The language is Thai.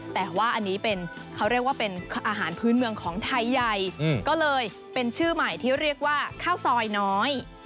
แต่ว่าอันนี้เป็นเขาเรียกว่าเป็นอาหารพื้นเมืองของไทยใหญ่ก็เลยเป็นชื่อใหม่ที่เรียกว่าข้าวซอยน้อย